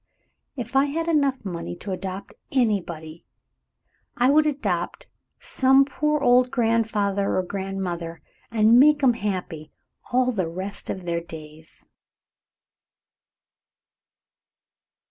If I had enough money to adopt anybody, I would adopt some poor old grandfather or grandmother and make'm happy all the rest of their days."